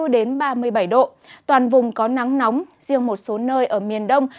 ba mươi bốn đến ba mươi bảy độ toàn vùng có nắng nóng riêng một số nơi ở miền đông